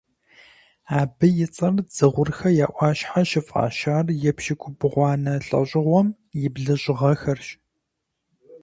Абы и цӏэр Дзыгъурхэ я ӏуащхьэ щыфӏащар епщыкӏубгъуанэ лӏэщӏыгъуэм и блыщӏ гъэхэрщ.